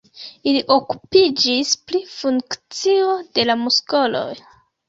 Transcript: Ili okupiĝis pri funkcio de la muskoloj.